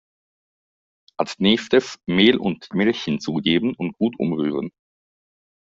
Als nächstes Mehl und Milch hinzugeben und gut umrühren.